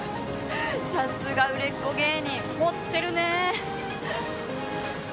さすが売れっ子芸人！もってるね！